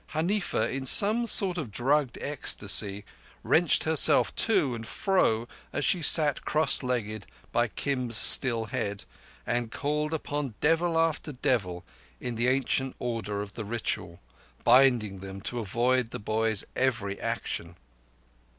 Huneefa, in some sort of drugged ecstasy, wrenched herself to and fro as she sat cross legged by Kim's still head, and called upon devil after devil, in the ancient order of the ritual, binding them to avoid the boy's every action.